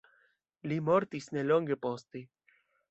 Li mortis nelonge poste.